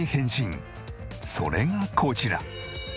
それがこちら。